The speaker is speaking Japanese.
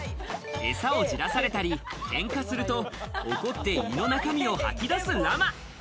えさを焦らされたり、喧嘩すると怒って胃の中身を吐き出すラマ。